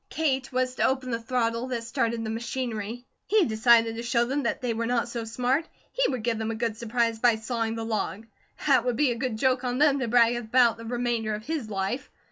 Kate was to open the throttle that started the machinery. He decided to show them that they were not so smart. He would give them a good surprise by sawing the log. That would be a joke on them to brag about the remainder of his life.